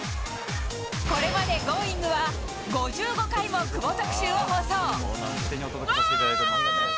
これまでＧｏｉｎｇ！は、５５回も久保特集を放送。